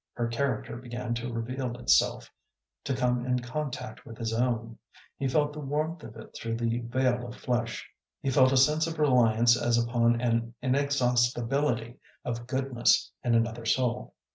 Her character began to reveal itself, to come in contact with his own; he felt the warmth of it through the veil of flesh. He felt a sense of reliance as upon an inexhaustibility of goodness in another soul.